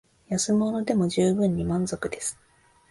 安物でも充分に満足です